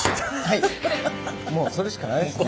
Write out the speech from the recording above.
もうそれしかないですね。